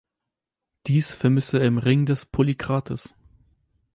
Dies vermisse er im Ring des Polykrates.